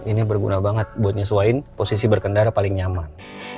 ini berguna banget buat nyesuaikan posisi berkendara paling nyaman